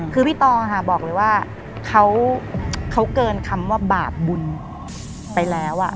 คือพี่ตอค่ะบอกเลยว่าเขาเกินคำว่าบาปบุญไปแล้ว